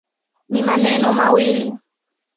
Ni maneno mawili.